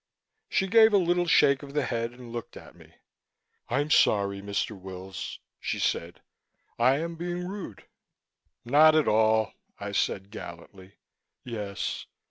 She gave a little shake of the head and looked at me. "I'm sorry, Mr. Wills," she said. "I am being rude." "Not at all," I said gallantly. "Yes."